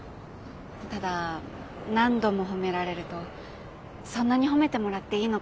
ただ何度も褒められるとそんなに褒めてもらっていいのかな